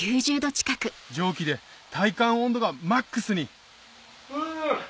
蒸気で体感温度がマックスにふぅ！